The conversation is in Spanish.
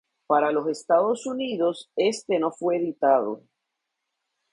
Para los Estados Unidos, este no fue editado.